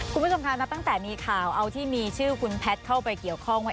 คุณผู้ชมคะนับตั้งแต่มีข่าวเอาที่มีชื่อคุณแพทย์เข้าไปเกี่ยวข้องว่า